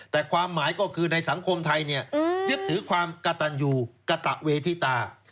แต่ความหมายก็คือในสังคมไทยเนี่ยยึดถือความกระตันอยู่กระตะเวทิตา